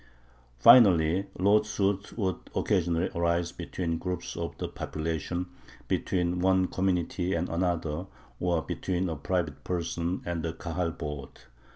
Finally lawsuits would occasionally arise between groups of the population, between one community and another, or between a private person and a Kahal board.